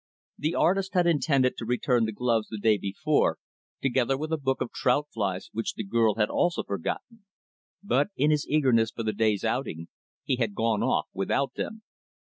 The artist had intended to return the gloves the day before, together with a book of trout flies which the girl had also forgotten; but, in his eagerness for the day's outing, he had gone off without them.